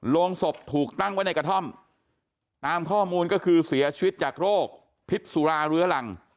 โรงศพถูกตั้งไว้ในกระท่อมตามข้อมูลก็คือเสียชีวิตจากโรคพิษสุราเรื้อรัง